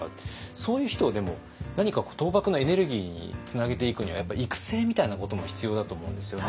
そういう人をでも何か倒幕のエネルギーにつなげていくにはやっぱ育成みたいなことも必要だと思うんですよね。